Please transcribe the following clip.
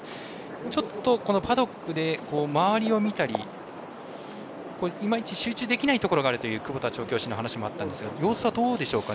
ちょっとパドックで周りを見たりいまいち集中できないところがあるという窪田調教師の話がありましたが様子はどうでしょうか？